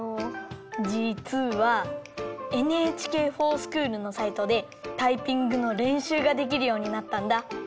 じつはＮＨＫｆｏｒＳｃｈｏｏｌのサイトでタイピングのれんしゅうができるようになったんだ。